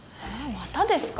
またですか？